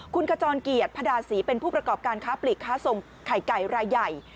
คุณขจรเกียรติพระดาศรีเป็นผู้ประกอบการค้าปลีกค้าส่งไข่ไก่รายใหญ่